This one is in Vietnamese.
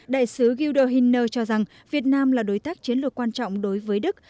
đại sứ giudo hinner cho rằng việt nam là đối tác chiến lược quan trọng đối với đức